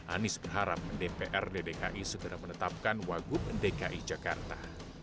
anies berharap dprd dki segera menetapkan wagub dki jakarta